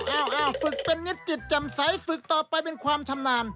ฝึกเป็นนิดจิตจำใสฝึกต่อไปเป็นความชำนาญ